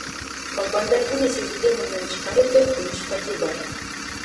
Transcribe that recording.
Балбандардын эсебинде мындан тышкары төрт күмүш байге бар.